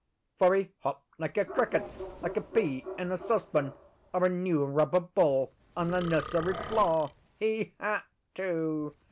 For he hopped like a cricket; like a pea in a saucepan; or a new rubber ball on a nursery floor. He had to!